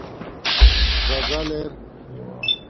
زَزل اِر